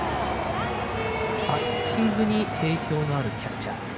バッティングに定評のあるキャッチャー。